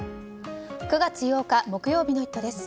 ９月８日、木曜日の「イット！」です。